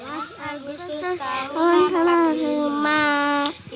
dua belas agustus tahun telah berlumah